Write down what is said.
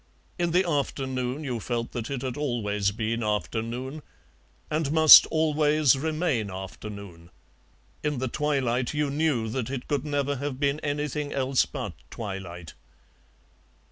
In the afternoon you felt that it had always been afternoon, and must always remain afternoon; in the twilight you knew that it could never have been anything else but twilight.